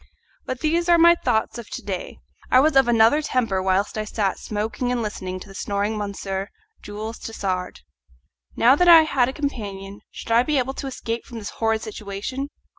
But these are my thoughts of to day; I was of another temper whilst I sat smoking and listening to the snoring of Monsieur Jules Tassard. Now that I had a companion should I be able to escape from this horrid situation?